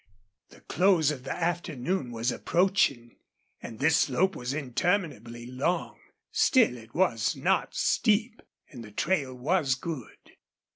The close of the afternoon was approaching, and this slope was interminably long. Still, it was not steep, and the trail was good.